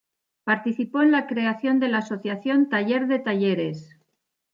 Participó en la creación de la asociación Taller de Talleres.